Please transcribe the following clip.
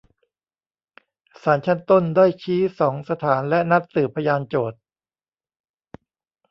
ศาลชั้นต้นได้ชี้สองสถานและนัดสืบพยานโจทก์